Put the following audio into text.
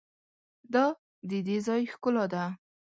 دا د دې ځای ښکلا ده.